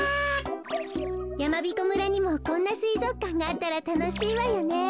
やまびこ村にもこんなすいぞくかんがあったらたのしいわよね。